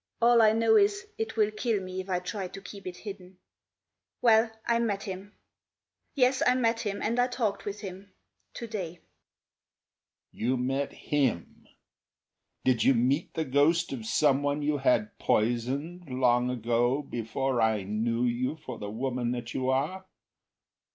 All I know is, it will kill me if I try to keep it hidden Well, I met him. ... Yes, I met him, and I talked with him today." "You met him? Did you meet the ghost of someone you had poisoned, Long ago, before I knew you for the woman that you are?